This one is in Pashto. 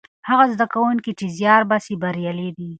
هغه زده کوونکي چې زیار باسي بریالي دي.